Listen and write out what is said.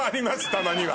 たまには。